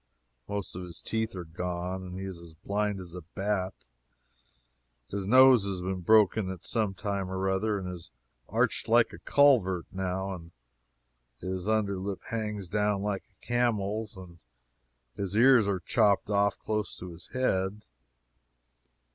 Most of his teeth are gone, and he is as blind as bat. His nose has been broken at some time or other, and is arched like a culvert now. His under lip hangs down like a camel's, and his ears are chopped off close to his head.